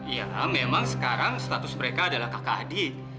ya memang sekarang status mereka adalah kakak adik